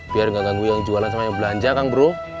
biar nggak ganggu yang jualan sama yang belanja kang bro